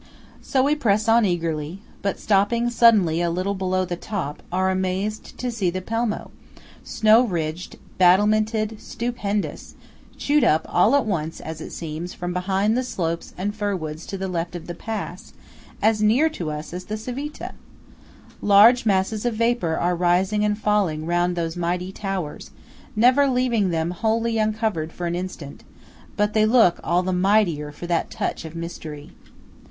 So we press on eagerly, but, stopping suddenly a little below the top, are amazed to see the Pelmo–snow ridged, battlemented, stupendous–shoot up all at once, as it seems, from behind the slopes and fir woods to the left of the pass, as near us as the Civita! Large masses of vapour are rising and falling round those mighty towers, never leaving them wholly uncovered for an instant; but they look all the mightier for that touch of mystery.